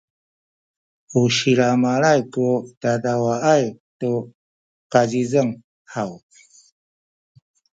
u silamalay ku dadawaay tu kazizeng haw?